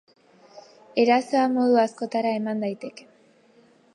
Erasoa modu askotara eman daiteke.